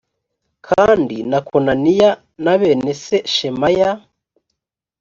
kandi na konaniya na bene se shemaya